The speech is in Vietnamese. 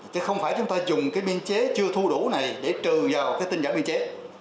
chứ không phải chúng ta dùng cái biên chế chưa thu đủ này để trừ vào cái tinh giản biên chế